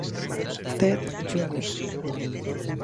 Ted Jr.